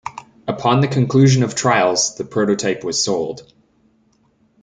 Upon the conclusion of trials, the prototype was sold.